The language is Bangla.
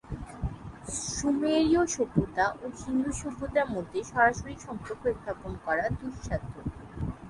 সুমেরীয় সভ্যতা ও সিন্ধু সভ্যতার মধ্যে সরাসরি সম্পর্ক স্থাপন করা দুঃসাধ্য।